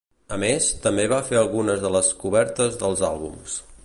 A més, també va fer algunes de les cobertes dels àlbums.